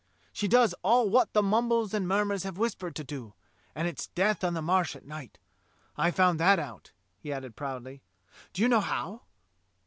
She does all wot the mumbles and murmurs have whis pered to do; and it's death on the Marsh at night. I found that out," he added proudly. "Do you know how.?